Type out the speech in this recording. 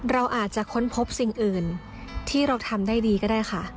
เราอาจจะค้นพบสิ่งอื่นที่เราทำได้ดีก็ได้ค่ะ